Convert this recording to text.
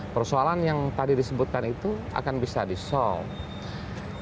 persoalan yang tadi disebutkan itu akan bisa di solve